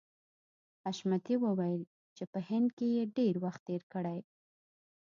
حشمتي وویل چې په هند کې یې ډېر وخت تېر کړی